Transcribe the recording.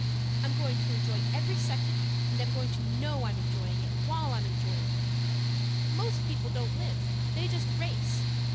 I'm going to enjoy every second, and I'm going to KNOW I'm enjoying it while I'm enjoying it. Most people don't live; they just race.